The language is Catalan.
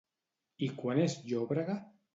I quan és llòbrega?